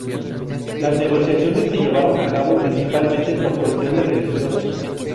Las negociaciones se llevaron a cabo, principalmente por cuestiones religiosas.